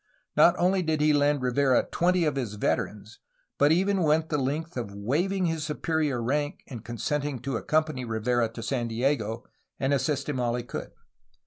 Not only did he lend Rivera twenty of his veterans, but even went the length of waiving his superior rank and consent ed to accompany Rivera to San Diego and assist him all he could.